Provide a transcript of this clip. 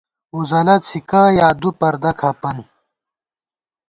ووزَلہ څِھکہ یا دُو پردَہ کھپَن